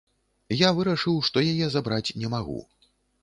Я вырашыў, што яе забраць не магу.